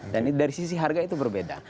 dan dari sisi harga itu berbeda